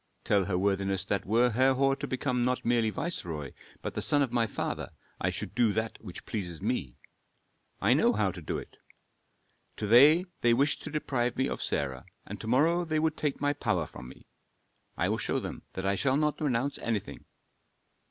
Tell her worthiness that were Herhor to become not merely viceroy, but the son of my father, I should do that which pleases me. I know how to do it. To day they wish to deprive me of Sarah, and to morrow they would take my power from me; I will show them that I shall not renounce anything."